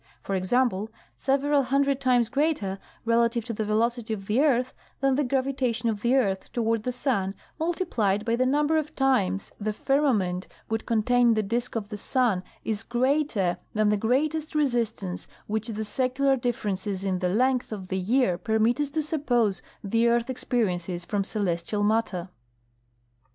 For example, several hundred times greater relative to the velocity of the earth than the gravitation of the earth toward the sun multiplied by the number of times the firmament would contain the dise of the sun is greater than the greatest resistance which the secular differences in the length of the year permit us to suppose the earth experiences from celestial matter.